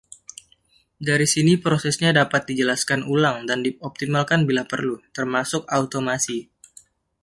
Dari sini prosesnya dapat dijelaskan ulang dan dioptimalkan bila perlu, termasuk automasi.